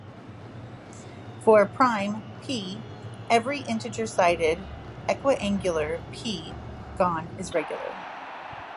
For prime "p", every integer-sided equiangular "p"-gon is regular.